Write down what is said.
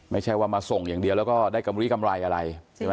ไม่ใช่ว่ามาส่งอย่างเดียวแล้วก็ได้กระบุรีกำไรอะไร